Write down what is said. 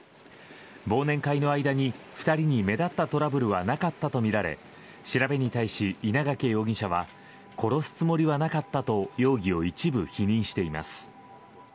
忘年会の間に２人に目立ったトラブルはなかったとみられ調べに対し、稲掛容疑者は殺すつもりはなかったと容疑を一部否認しています。